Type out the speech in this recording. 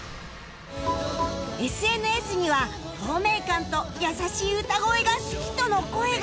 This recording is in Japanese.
ＳＮＳ には透明感と優しい歌声が好きとの声が